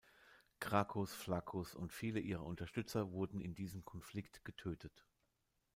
Gracchus, Flaccus und viele ihrer Unterstützer wurden in diesem Konflikt getötet.